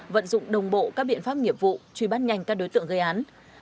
vận dụng đồng bộ các biện pháp nghiệp vụ truy bắt nhanh các đối tượng gây án